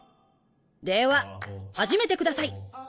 では始めてください。